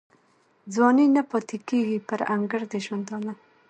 ځواني نه پاته کیږي پر انګړ د ژوندانه